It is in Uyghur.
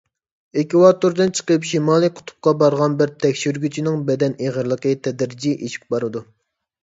ئېكۋاتوردىن چىقىپ شىمالىي قۇتۇپقا بارغان بىر تەكشۈرگۈچىنىڭ بەدەن ئېغىرلىقى تەدرىجىي ئېشىپ بارىدۇ.